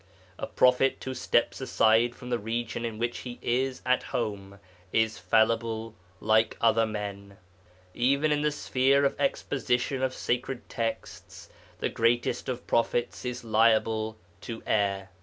A prophet who steps aside from the region in which he is at home is fallible like other men. Even in the sphere of exposition of sacred texts the greatest of prophets is liable to err.